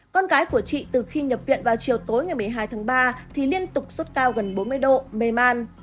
con gái của chị từ khi nhập viện vào chiều tối ngày một mươi hai tháng ba thì liên tục sốt cao gần bốn mươi độ mê man